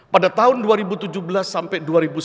pada tahun dua ribu tujuh belas sampai dua ribu sembilan belas